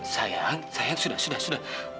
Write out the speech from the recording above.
sayang sayang sudah sudah sudah